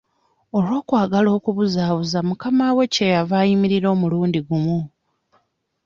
Olw'okwagala okubuzaabuza mukama we kye yava ayimirira omulundi gumu.